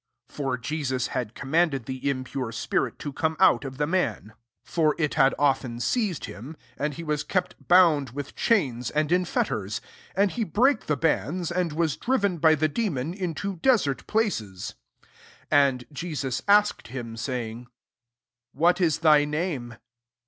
^ 29 (For Jeaua had command ed the impure spirit to come out of the man. For it had often 122 LUKE VI!1. seized him ; and he was kept bound with chains and in fetters; and he brake the bands, and was driven by the demon into desert places.) SO And Jesus asked him, saying " What is thy name